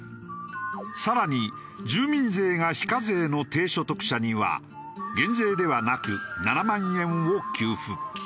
更に住民税が非課税の低所得者には減税ではなく７万円を給付。